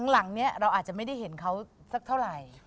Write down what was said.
หลังนี้เราอาจจะไม่ได้เห็นเขาสักเท่าไหร่